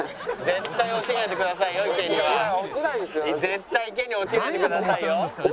絶対池に落ちないでくださいよ。